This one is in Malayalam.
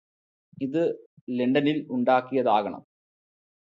ഇത് ലണ്ടനില് ഉണ്ടാക്കിയതാകണം